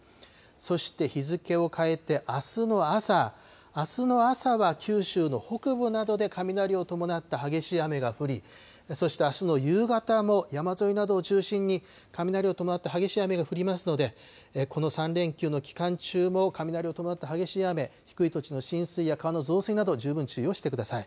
そして日付を変えて、あすの朝、あすの朝は九州の北部などで雷を伴った激しい雨が降り、そして、あすの夕方も、山沿いなどを中心に雷を伴った激しい雨が降りますので、この３連休の期間中も、雷を伴った激しい雨、低い土地の浸水や川の増水など、十分注意をしてください。